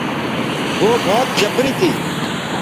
گو ڀوت جبري تي۔